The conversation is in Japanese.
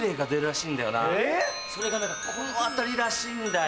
えぇ⁉それがこの辺りらしいんだよ。